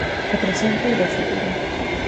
Do presente e do futuro.